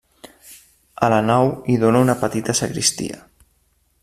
A la nau hi dóna una petita sagristia.